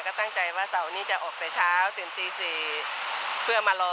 ก็ตั้งใจว่าเสาร์นี้จะออกแต่เช้าตื่นตี๔เพื่อมารอ